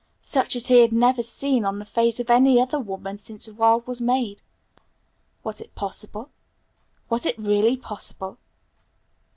such as he had never seen on the face of any other woman since the world was made. Was it possible? was it really possible?